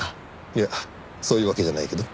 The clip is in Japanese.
いやそういうわけじゃないけど。